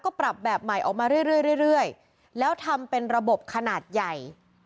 ก็ปรับแบบใหม่ออกมาเรื่อยเรื่อยเรื่อยแล้วทำเป็นระบบขนาดใหญ่